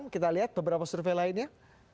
kita lihat beberapa survei lainnya